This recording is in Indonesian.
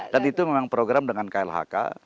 itu memang program dengan klhk